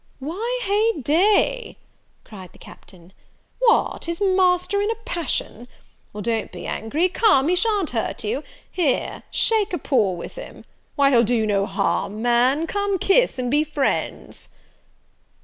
"Why, hey day!" cried the Captain, "what, is master in a passion? well, don't be angry: come, he shan't hurt you; here, shake a paw with him: why, he'll do you no harm, man! come, kiss and be friends!"